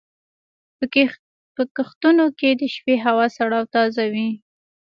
په کښتونو کې د شپې هوا سړه او تازه وي.